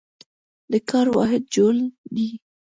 د کار واحد جول دی.